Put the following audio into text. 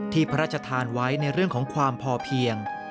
พระราชทานไว้ในเรื่องของความพอเพียง